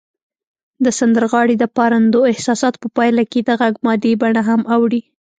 د سندرغاړي د پارندو احساساتو په پایله کې د غږ مادي بڼه هم اوړي